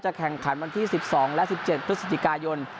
แข่งขันวันที่๑๒และ๑๗พฤศจิกายน